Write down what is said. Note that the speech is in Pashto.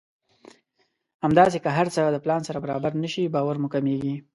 همداسې که هر څه د پلان سره برابر نه شي باور مو کمېږي.